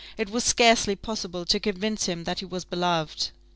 It was scarcely possible to convince him that he was beloved.